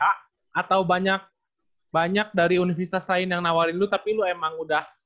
atau banyak dari universitas lain yang nawarin lu tapi lu emang udah